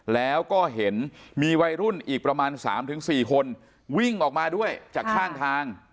แล้วก็เห็นมีวัยรุ่นอีกประมาณ๓๔คนวิ่งออกมาด้วยจากข้างทาง